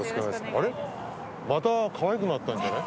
あれ、また可愛くなったんじゃない？